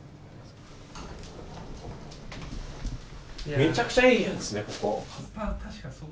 めちゃくちゃいい部屋ですね、ここ。